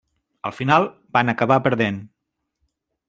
Al final van acabar perdent.